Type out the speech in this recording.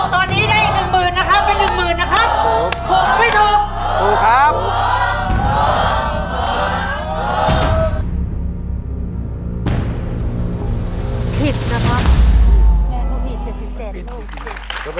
ถูกครับ